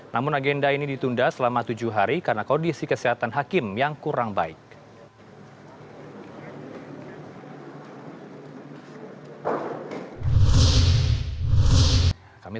namun agenda ini ditunda selama tujuh hari karena kondisi kesehatan hakim yang kurang baik